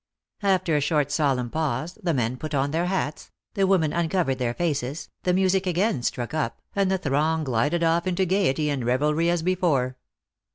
After a short solemn pause, the men put on their hats, the women uncov ered their faces, the music again struck up, and the throng glided off into gayety and revelry as before.